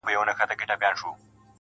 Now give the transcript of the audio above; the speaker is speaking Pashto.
نور به شاعره زه ته چوپ ووسو.